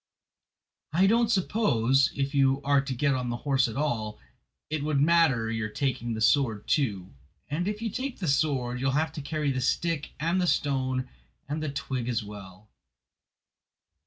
I don't suppose, if you are to get on the horse at all, it would matter your taking the sword too. And if you take the sword you will have to carry the stick and the stone and the twig as well."